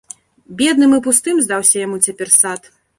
Бедным і пустым здаўся яму цяпер сад.